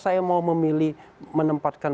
saya mau memilih menempatkan